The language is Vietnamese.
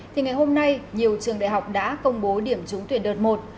thì ngày hôm nay nhiều trường đại học đã công bố điểm trúng tuyển đợt một